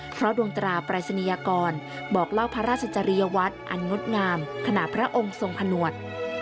เพราะดวงตราปรายศนียากรบอกเล่าพระราชจริยวัตรอันงดงามขณะพระองค์ทรงผนวด